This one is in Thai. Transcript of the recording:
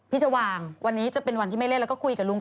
ชวางวันนี้จะเป็นวันที่ไม่เล่นแล้วก็คุยกับลุง